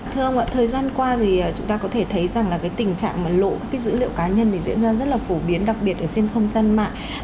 thưa ông ạ thời gian qua thì chúng ta có thể thấy rằng là tình trạng lộ dữ liệu cá nhân diễn ra rất là phổ biến đặc biệt ở trên không gian mạng